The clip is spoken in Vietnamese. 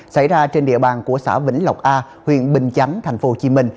xảy ra trên địa bàn của xã vĩnh lộc a huyện bình chánh tp hcm